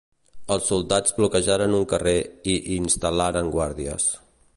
Els soldats bloquejaren un carrer i instal·laren guàrdies.